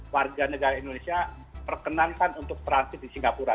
warga negara indonesia perkenankan untuk transit di singapura